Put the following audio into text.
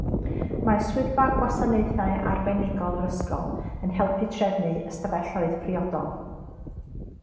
Mae Swyddfa Gwasanaethau Arbenigol yr ysgol yn helpu trefnu ystafelloedd priodol.